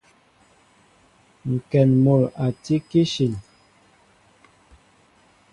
Ŋkɛn mol a tí kishin.